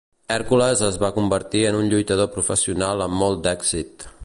Hèrcules es va convertir en un lluitador professional amb molt d'èxit.